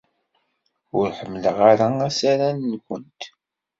Ur ḥemmleɣ ara asaran-nwent.